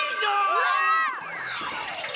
うわっ！